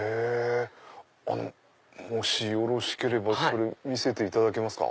あのもしよろしければそれ見せていただけますか？